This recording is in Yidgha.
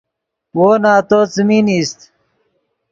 وو نتو څیمین ایست